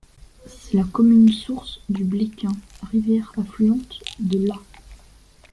C'est la commune source du Bléquin, rivière affluente de l'Aa.